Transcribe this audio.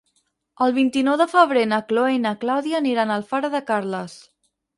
El vint-i-nou de febrer na Chloé i na Clàudia aniran a Alfara de Carles.